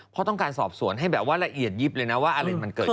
เพราะต้องการสอบสวนให้แบบว่าละเอียดยิบเลยนะว่าอะไรมันเกิดขึ้น